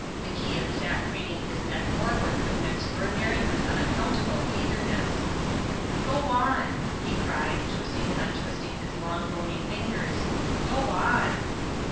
MacIan sat craning his neck forward with an extraordinary and unaccountable eagerness. "Go on!" he cried, twisting and untwisting his long, bony fingers, "go on!"